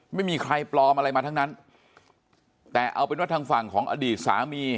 ไม่มีใครปลอมอะไรมาทั้งนั้นแต่เอาเป็นว่าทางฝั่งของอดีตสามี